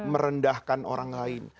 merendahkan orang lain